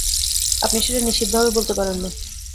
আপনি সেটা নিশ্চিতভাবে বলতে পারেন না।